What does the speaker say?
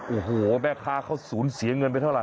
โอ้โหแม่ค้าเขาสูญเสียเงินไปเท่าไ